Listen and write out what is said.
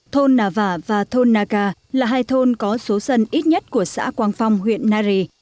thôn nà vả và thôn naka là hai thôn có số dân ít nhất của xã quang phong huyện nari